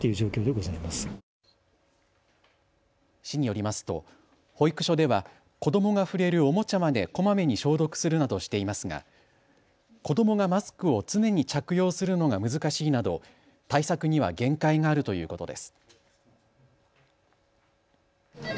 市によりますと保育所では子どもが触れるおもちゃまでこまめに消毒するなどしていますが子どもがマスクを常に着用するのが難しいなど対策には限界があるということです。